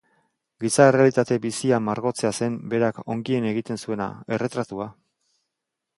Giza errealitate bizia margotzea zen berak ongien egiten zuena: erretratua.